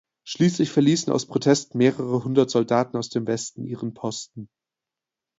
Schließlich verließen aus Protest mehrere hundert Soldaten aus dem Westen ihren Posten.